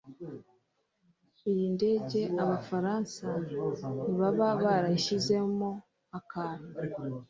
Iyi ndege abafaransa ntibaba barashyizemo akantu?